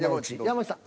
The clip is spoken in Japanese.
山内さん